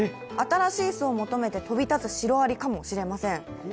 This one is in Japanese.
新しい巣を求めて飛び立つシロアリかもしれません。